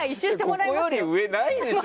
ここより上、ないでしょ。